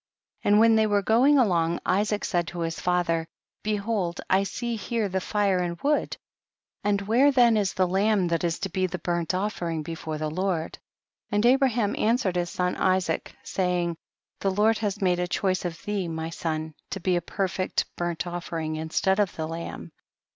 50. And when they were going along Isaac said to his father, be hold, I see here the fire and wood, and where then is the lamb that is to he the burnt offering before the Lord ? 5L And Abraham answered his son Isaac, saying, the Lord has made choice of thee my son, to be a perfect burnt offering instead of the lamb.